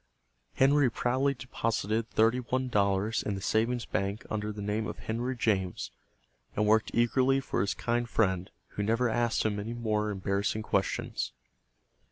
Henry proudly deposited thirty one dollars in the savings bank under the name of Henry James, and worked eagerly for his kind friend, who never asked him any more embarrassing questions.